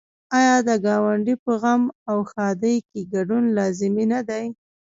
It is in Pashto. آیا د ګاونډي په غم او ښادۍ کې ګډون لازمي نه دی؟